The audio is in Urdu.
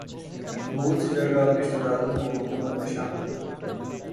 بہت سی جگہ اپنے رشتہ داروں کو حکومت میں شامل